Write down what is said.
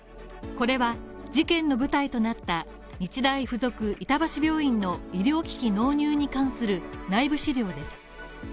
これは事件の舞台となった日大附属板橋病院の医療機器納入に関する内部資料です。